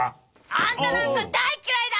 あんたなんか大っ嫌いだ！